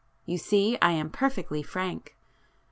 You see I am perfectly frank!"